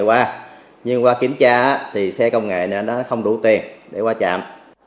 va chạm với thanh chắn là do tài xế chạy xe container phía trước khi vào trạm